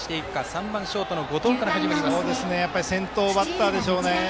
３番ショートの後藤から先頭バッターでしょうね。